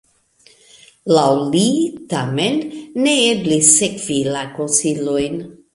Laŭ li tamen ne eblis sekvi la konsilojn.